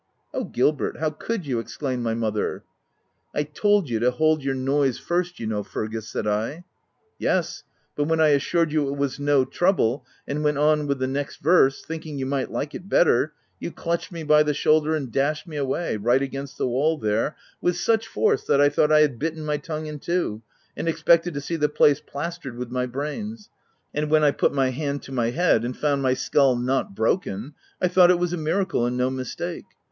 * Oh, Gilbert ! how could you ?" exclaimed my mother. " I told you to hold your noise first, you know Fergus," said I. "Yes, but when I assured you it was no trouble, and went on with the next verse, think ing you might like it better, you clutched me by the shoulder and dashed me away, right against the wall there, with such force, that I thought I had bitten my tongue in two, and expected to see the place plastered with my brains ; and when I put my hand to my head and found my skull not broken, I thought it was a miracle and no mistake.